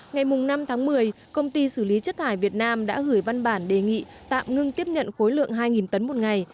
ngày năm tháng một mươi công ty xử lý chất thải việt nam đã gửi văn bản đề nghị tạm ngưng tiếp nhận khối lượng hai tấn một ngày